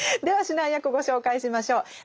では指南役ご紹介しましょう。